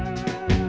ya udah gue naikin ya